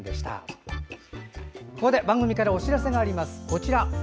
ここで番組からお知らせがあります。